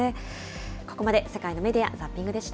ここまで世界のメディア・ザッピングでした。